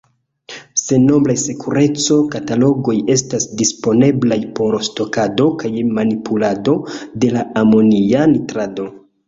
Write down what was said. Sennombraj sekureco-katalogoj estas disponeblaj por stokado kaj manipulado de la amonia nitrato.